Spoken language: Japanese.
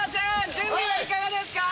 準備はいかがですか？